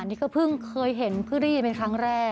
นี่ก็เพิ่งเคยเห็นเพื่อได้ยินเป็นครั้งแรก